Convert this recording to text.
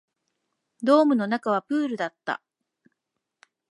ドームの中はプールだった